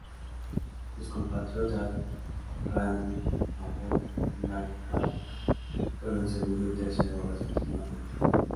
Sus compatriotas Randy Mamola y Mike Baldwin fueron segundo y tercero respectivamente.